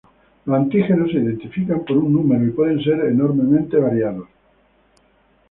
Los antígenos se identifican por un número y pueden ser enormemente variados.